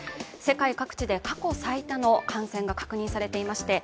世界各地で過去最多の感染が確認されています。